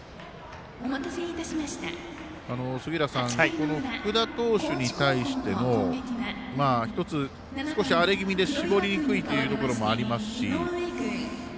この福田投手に対しての１つ、少し荒れ気味で絞りにくいというところもありますし。